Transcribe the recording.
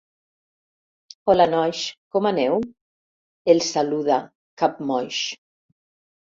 Hola nois, com aneu? —els saluda, capmoix—.